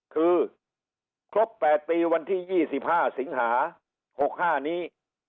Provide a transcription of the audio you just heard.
คือครบ๘ปีวันที่๒๕สิงหา๖๕นี้